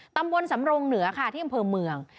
ตำบลสำรงเหนือค่ะที่อำเภอเมือง